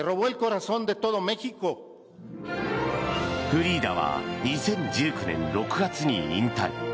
フリーダは２０１９年６月に引退。